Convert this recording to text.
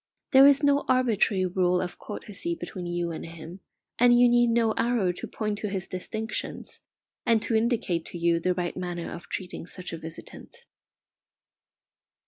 There is no arbitrary rule of courtesy between you and him, and you need no arrow to point to his distinctions, and to indicate to you the right manner of treating such a visitant.